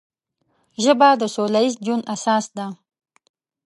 ژبه د سوله ییز ژوند اساس ده